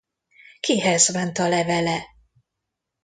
Kihez ment a levele?